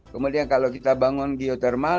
kemudian kalau kita bangun geotermal